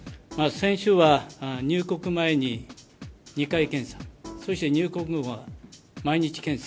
選手は入国前に２回検査、そして入国後は毎日検査。